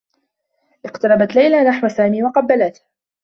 اقتربت ليلى نحو سامي و قبّلته.